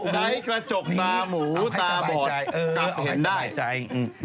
ใช้กระจกตาหมูตาบอดแต้เห็นได้